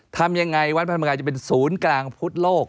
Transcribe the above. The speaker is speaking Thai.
ทำยังไงวัดพระธรรมกายจะเป็นศูนย์กลางพุทธโลก